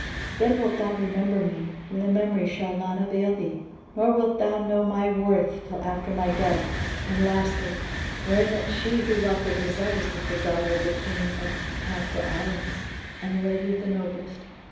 Then wilt thou remember me, when the memory shall not avail thee; nor wilt thou know my worth till after my death. And, lastly, learn that she who wrought the gazelles is the daughter of the King of the Camphor Islands and a lady of the noblest."